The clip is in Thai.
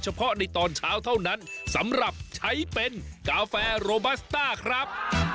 เพาะในตอนเช้าเท่านั้นสำหรับใช้เป็นกาแฟโรบัสต้าครับ